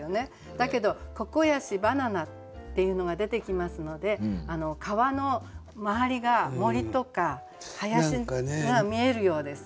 だけど「ココヤシ」「バナナ」っていうのが出てきますので川の周りが森とか林が見えるようです。